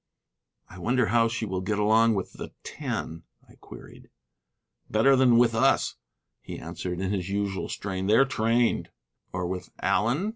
"I wonder how she will get along with the Ten?" I queried. "Better than with us," he answered in his usual strain. "They're trained." "Or with Allen?"